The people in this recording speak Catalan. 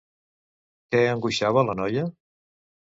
Què angoixava la noia?